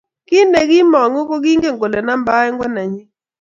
kiy ne kiimongu ko kingen kole namba oeng ko nenyin